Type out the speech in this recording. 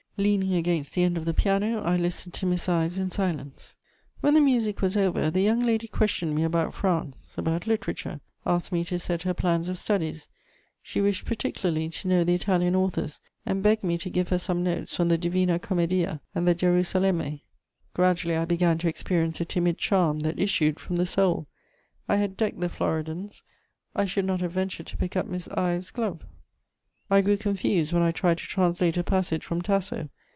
Leaning against the end of the piano, I listened to Miss Ives in silence. When the music was over, the young lady questioned me about France, about literature; asked me to set her plans of studies; she wished particularly to know the Italian authors, and begged me to give her some notes on the Divina Commedia and the Gerusalemme. Gradually I began to experience a timid charm that issued from the soul: I had decked the Floridans, I should not have ventured to pick up Miss Ives's glove; I grew confused when I tried to translate a passage from Tasso.